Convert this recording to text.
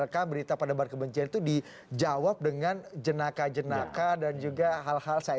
kami akan segera kembali